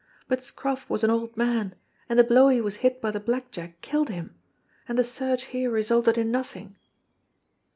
But Scroff was an old man, and the blow he was hit by the black jack killed him ; and the search here resulted in nothing."